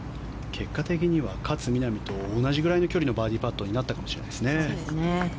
結果的には勝みなみと同じくらいの距離のバーディーパットになったかもしれないですね。